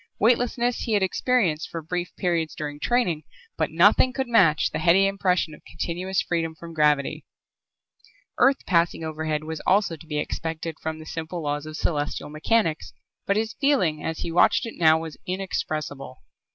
Weightlessness he had experienced for brief periods during training, but nothing could match the heady impression of continuous freedom from gravity. Earth passing overhead was also to be expected from the simple laws of celestial mechanics but his feeling as he watched it now was inexpressible.